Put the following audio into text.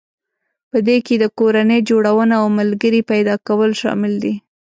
په دې کې د کورنۍ جوړونه او ملګري پيدا کول شامل دي.